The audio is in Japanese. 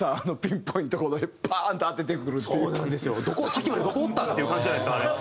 さっきまでどこおった？って感じじゃないですかあれ。